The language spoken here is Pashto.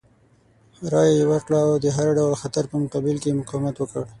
رایه یې ورکړه او د هر ډول خطر په مقابل کې یې مقاومت وکړ.